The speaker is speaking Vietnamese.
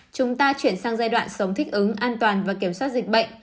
chúng ta chuyển sang giai đoạn sống thích ứng an toàn và kiểm soát dịch bệnh